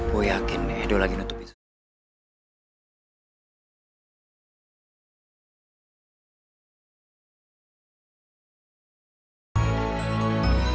gua yakin nih dia lagi nutupi suara